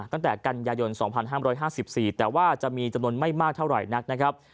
ตั้งแต่กันยายน๒๕๕๔แต่ว่าจะมีจำนวนไม่มากเท่าไหร่นักนะครับ